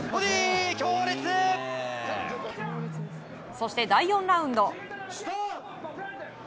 そして、第４ラウンド。